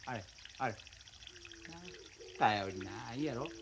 あれ頼りないやろ。